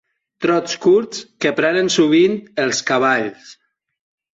Trots curts que prenen sovint els cavalls.